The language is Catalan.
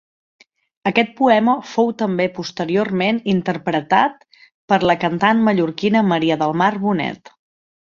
Aquest poema fou també posteriorment interpretar per la cantant mallorquina Maria del Mar Bonet.